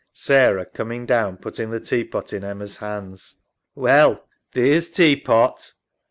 SARAH (coming down, putting the tea pot in Emma's hands). Well, theer's tea pot.